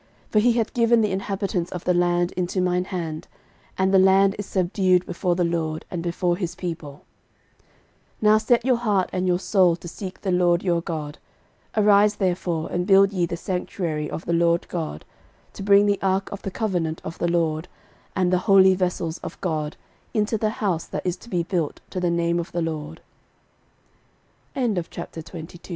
for he hath given the inhabitants of the land into mine hand; and the land is subdued before the LORD, and before his people. 13:022:019 Now set your heart and your soul to seek the LORD your God; arise therefore, and build ye the sanctuary of the LORD God, to bring the ark of the covenant of the LORD, and the holy vessels of God, into the house that is to be